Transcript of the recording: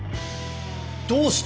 どうして！？